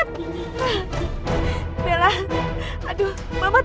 karena mereka juga menangkapnya